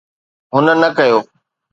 هن نه ڪيو